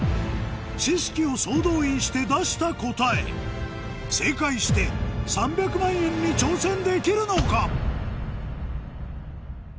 知識を総動員して出した答え正解して３００万円に挑戦できるのか？